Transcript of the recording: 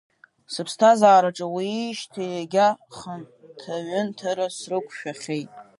Сыԥсҭазараҿы уиижьҭеи егьа хынҭаҩынҭара срықәшәахьеит…